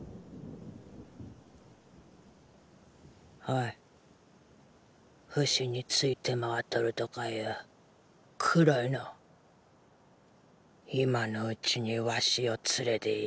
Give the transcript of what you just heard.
おいフシに付いてまわっとるとかいう黒いの今のうちにワシを連れていけ。